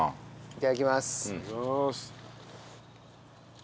いただきまーす。